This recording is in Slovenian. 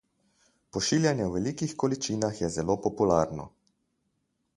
Pošiljanje v velikih količinah je zelo popularno.